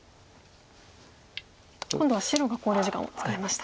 今度は白が考慮時間を使いました。